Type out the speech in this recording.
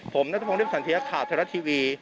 ผมนัฐพงษ์เรียบสันเทียร์ข่าวเทศรัฐทีวี